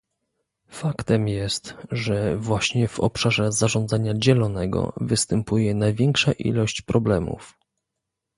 Faktem jest, że właśnie w obszarze zarządzania dzielonego występuje największa ilość problemów